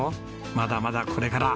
まだまだこれから！